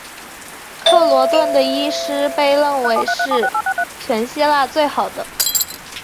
克罗顿的医师被认为是全希腊最好的。